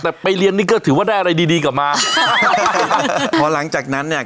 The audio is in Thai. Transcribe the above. แต่ไปเรียนนี่ก็ถือว่าได้อะไรดีดีกลับมาพอหลังจากนั้นเนี่ย